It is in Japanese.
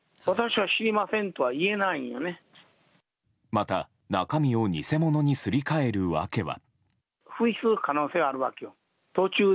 また、中身を偽物にすり替える訳は。